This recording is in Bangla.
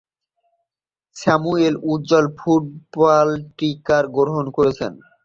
স্যামুয়েল উজ্জ্বল ফুটবল স্টিকার সংগ্রহ করেন।